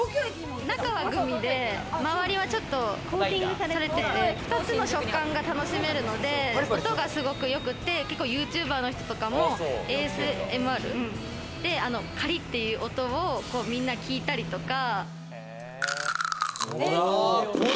中はグミで、周りはちょっとコーティングされてて２つの食感が楽しめるので、音がすごく良くて、ＹｏｕＴｕｂｅｒの人とかもＡＳＭＲでカリっていう音を皆、聞いたりとか。